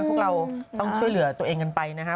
พวกเราต้องช่วยเหลือตัวเองกันไปนะฮะ